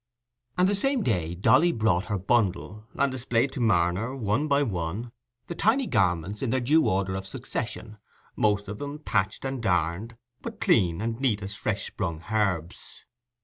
And the same day Dolly brought her bundle, and displayed to Marner, one by one, the tiny garments in their due order of succession, most of them patched and darned, but clean and neat as fresh sprung herbs.